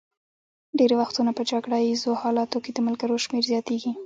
ډېری وختونه په جګړه ایزو حالاتو کې د ملګرو شمېر زیاتېږي.